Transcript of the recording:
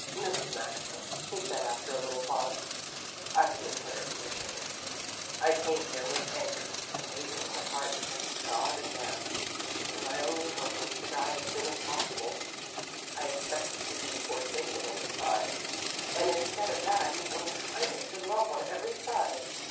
"Mrs. Maxa," he said after a little pause, "I feel terribly ashamed. I came here with anger and hate in my heart against God and man, and my only hope was to die as soon as possible. I expected to be forsaken and despised, and instead of that I meet only kindness and love on every side.